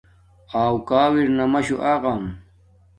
وݳݸ کݳݸ اِرِنݳ مَشُݸ اَغَم.